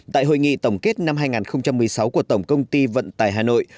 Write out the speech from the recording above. tại hội nghị tổng kết năm hai nghìn một mươi sáu của tổng công ty vận tải hà nội